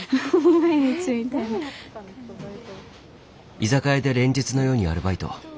居酒屋で連日のようにアルバイト。